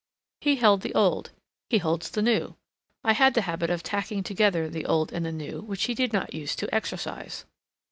He held the old; he holds the new; I had the habit of tacking together the old and the new which he did not use to exercise.